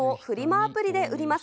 アプリで売ります。